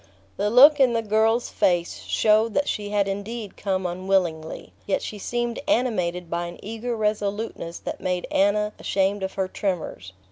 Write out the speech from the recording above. The look in the girl's face showed that she had indeed come unwillingly; yet she seemed animated by an eager resoluteness that made Anna ashamed of her tremors.